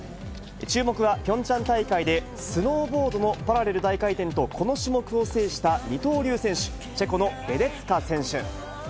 注目はピョンチャン大会で、スノーボードのパラレル大回転とこの種目を制した二刀流選手、チェコのレデツカ選手。